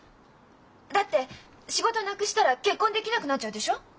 だって仕事なくしたら結婚できなくなっちゃうでしょ？